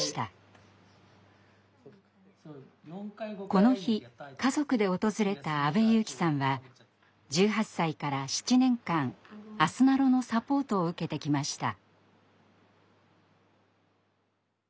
この日家族で訪れた阿部雄輝さんは１８歳から７年間あすなろのサポートを受けてきました。